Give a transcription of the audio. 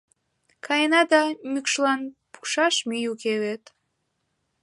Каена да, мӱкшлан пукшаш мӱй уке вет.